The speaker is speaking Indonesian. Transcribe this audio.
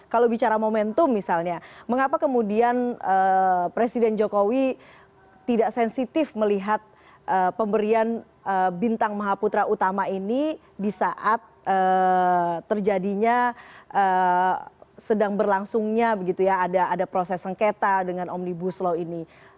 kalau bicara momentum misalnya mengapa kemudian presiden jokowi tidak sensitif melihat pemberian bintang maha putra utama ini di saat terjadinya sedang berlangsungnya begitu ya ada proses sengketa dengan omnibus law ini